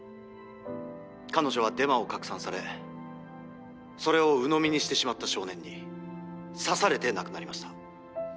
彼女はデマを拡散されそれをうのみにしてしまった少年に刺されて亡くなりました。